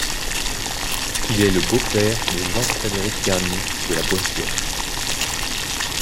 Il est le beau-père de Jean Frédéric Garnier de La Boissière.